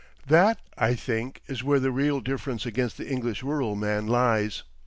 That, I think, is where the real difference against the English rural man lies.